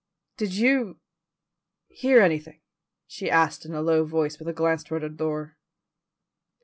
"Did you hear anything?" she asked in a low voice with a glance toward the door.